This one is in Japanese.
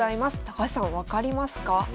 高橋さん分かりますか？